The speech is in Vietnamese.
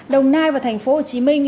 đồng nai và thành phố hồ chí minh